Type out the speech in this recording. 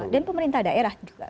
dan pemerintah daerah juga